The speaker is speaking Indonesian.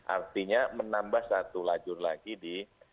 artinya menambah satu lajur lagi di